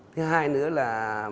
thứ hai nữa là